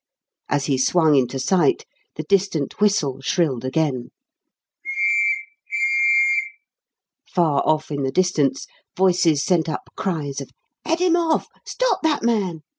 As he swung into sight, the distant whistle shrilled again; far off in the distance voices sent up cries of "Head him off!" "Stop that man!"